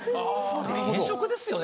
・偏食ですよね